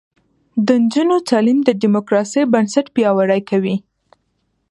د نجونو تعلیم د دیموکراسۍ بنسټ پیاوړی کوي.